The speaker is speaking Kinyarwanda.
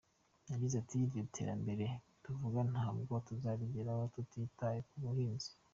Yagize ati “Iryo terambere tuvuga ntabwo tuzarigeraho tutitaye ku buhinzi.